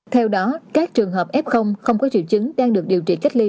theo đó các trường hợp f không có triệu chứng đang được điều trị cách ly